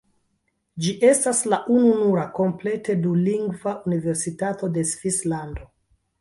Ĝi estas la ununura komplete dulingva universitato de Svislando.